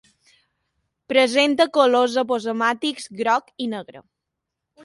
Presenta colors aposemàtics, groc i negre.